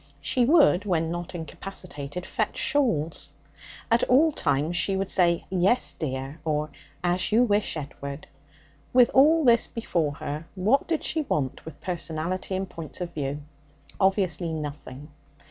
She would, when not incapacitated, fetch shawls. At all times she would say 'Yes, dear' or 'As you wish, Edward.' With all this before her, what did she want with personality and points of view? Obviously nothing.